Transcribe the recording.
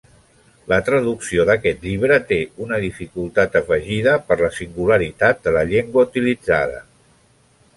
La traducció d'aquest llibre té una dificultat afegida per la singularitat de la llengua utilitzada.